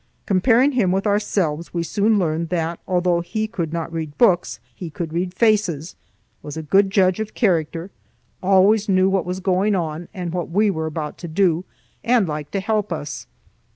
Comparing him with ourselves, we soon learned that although he could not read books he could read faces, was a good judge of character, always knew what was going on and what we were about to do, and liked to help us.